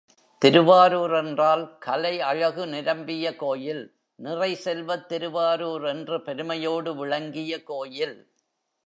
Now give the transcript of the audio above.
திருவாரூர் என்றால் கலை அழகு நிரம்பிய கோயில் நிறை செல்வத்திருவாரூர் என்ற பெருமையோடு விளங்கிய கோயில்.